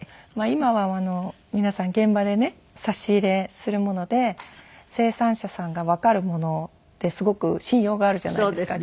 今は皆さん現場でね差し入れするもので生産者さんがわかるものってすごく信用があるじゃないですか。